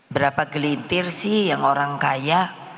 berapa gelintir sih yang orang kaya